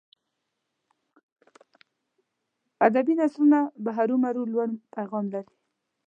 ادبي نثر به هرو مرو لوړ پیغام لري.